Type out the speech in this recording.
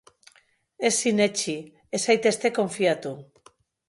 Ez sinetsi, ez zaitezte konfiatu.